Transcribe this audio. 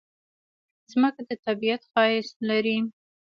مځکه د طبیعت ښایست لري.